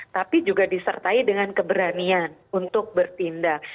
tapi juga disertai dengan keberanian untuk bertindak